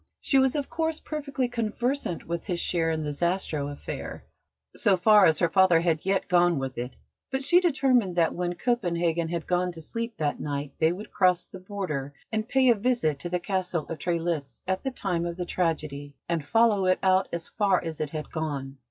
She was, of course, perfectly conversant with his share in the Zastrow affair, so far as her father had yet gone with it; but she determined that when Copenhagen had gone to sleep that night they would cross the Border and pay a visit to the Castle of Trelitz at the time of the tragedy, and follow it out as far as it had gone.